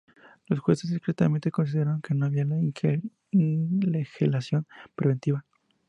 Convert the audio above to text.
Los jueces discrepantes consideraron que no cabía "la ilegalización preventiva".